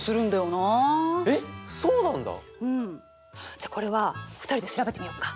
じゃあこれは２人で調べてみようか？